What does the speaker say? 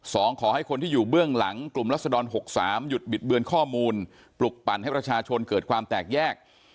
ขอให้คนที่อยู่เบื้องหลังกลุ่มรัศดรหกสามหยุดบิดเบือนข้อมูลปลุกปั่นให้ประชาชนเกิดความแตกแยก